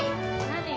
何？